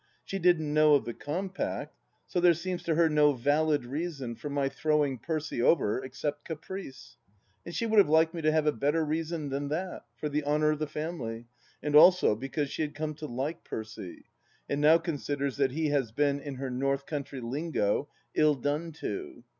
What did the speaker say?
She didn't know of the compact, so there seems to her no valid reason for my throwing Percy over except caprice, and she would have liked me to have a better reason than that, for the honour of the family, and also because she had come to like Percy, and now considers that he has been, in her North country lingo, " ill done to."